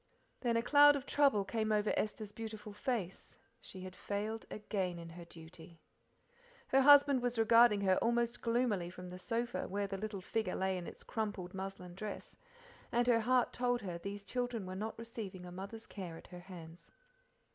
Then a cloud of trouble came over Esther's beautiful face she had failed again in her duty. Her husband was regarding her almost gloomily from the sofa, where the little figure lay in its crumpled muslin dress, and her heart told her these children were not receiving a mother's care at her hands.